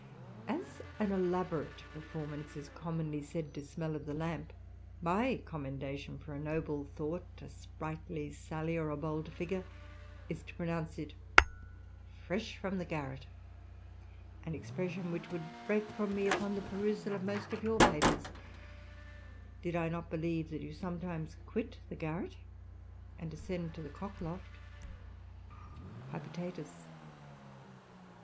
As an elaborate performance is com monly said to smell of the lamp, my commendation for a noble thought, a sprightly sally, or a bold figure, is to pronounce it fresh from the garret ; an expression which would break from me upon the perusal of most of your papers, did I not believe, that you sometimes quit the giarret, and ascend into the cock loft."^ Hypertatus.